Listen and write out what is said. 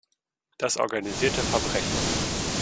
Das organisierte Verbrechen.